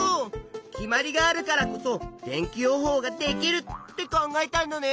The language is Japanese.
決まりがあるからこそ天気予報ができるって考えたんだね。